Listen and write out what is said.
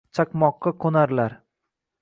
Chaqmoqqa qoʻnarlar –